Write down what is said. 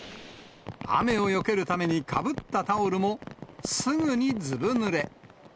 雨をよけるためにかぶったタオルも、すぐにずぶぬれ。